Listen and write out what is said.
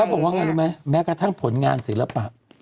บอกว่าไงรู้ไหมแม้กระทั่งผลงานศิลปะ